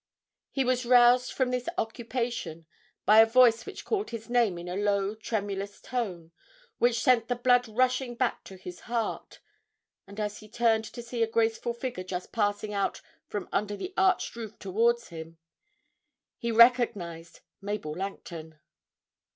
He was roused from this occupation by a voice which called his name in a low tremulous tone which sent the blood rushing back to his heart, and as he turned to see a graceful figure just passing out from under the arched roof towards him, he recognised Mabel Langton.